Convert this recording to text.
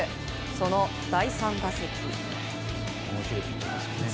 その第３打席。